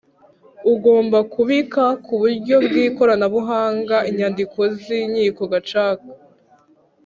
Ugomba kubika ku buryo bw’ikoranabuhanga inyandiko z’Inkiko Gacaca